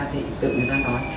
thì tự người ta nói